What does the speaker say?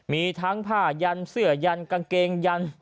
มีทั้งผ้ายันเสื้อยันกางเกงยัน